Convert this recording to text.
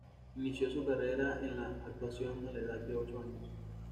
Inició su carrera en la actuación a la edad de ocho años.